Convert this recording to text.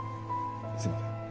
すいません。